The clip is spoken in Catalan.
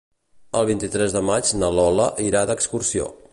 El vint-i-tres de maig na Lola irà d'excursió.